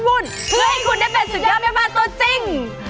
วุ่นเพื่อให้คุณได้เป็นสุดยอดแม่บ้านตัวจริง